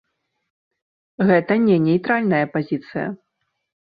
Гэта не нейтральная пазіцыя.